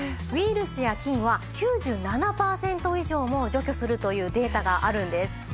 ウイルスや菌は９７パーセント以上も除去するというデータがあるんです。